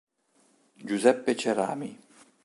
Giuseppe Cerami